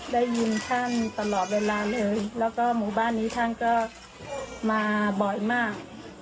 ได้ยินท่านตลอดเวลาเลยแล้วก็หมู่บ้านนี้ท่านก็มาบ่อยมาก